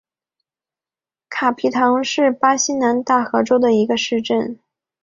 卡皮唐是巴西南大河州的一个市镇。